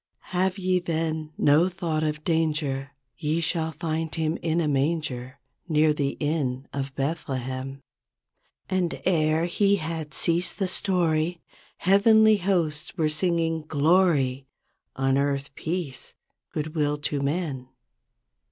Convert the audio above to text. " 'Have ye, then, no thought of danger. Ye shall find him in a manger Near the inn of Bethlehem.' And e're he had ceased the story. Heavenly hosts were singing, 'Glory, On earth peace, good will to men.'